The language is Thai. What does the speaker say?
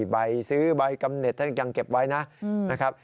ใบซื้อใบกำเน็ตท่านยังเก็บไว้นะครับ